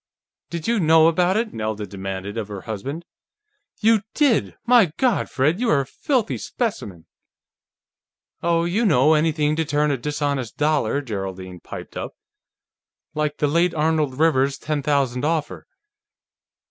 "Did you know about it?" Nelda demanded of her husband. "You did! My God, Fred, you are a filthy specimen!" "Oh, you know; anything to turn a dishonest dollar," Geraldine piped up. "Like the late Arnold Rivers's ten thousand offer.